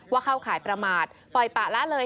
เข้าข่ายประมาทปล่อยปะละเลย